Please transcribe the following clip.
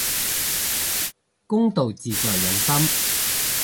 公道自在人心